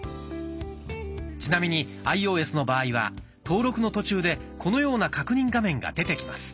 ちなみにアイオーエスの場合は登録の途中でこのような確認画面が出てきます。